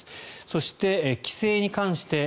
そして、帰省に関して。